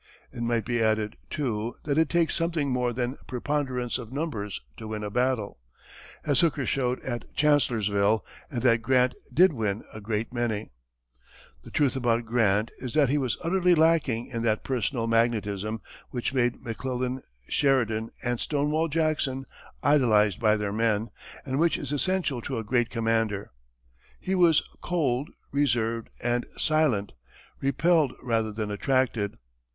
It might be added, too, that it takes something more than preponderance of numbers to win a battle as Hooker showed at Chancellorsville and that Grant did win a great many. [Illustration: GRANT] The truth about Grant is that he was utterly lacking in that personal magnetism which made McClellan, Sheridan and "Stonewall" Jackson idolized by their men, and which is essential to a great commander. He was cold, reserved, and silent, repelled rather than attracted.